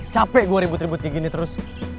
capek gue ribut ribut kayak gini terus